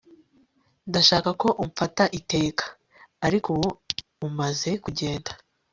ndashaka ko umfata iteka, ariko ubu umaze kugenda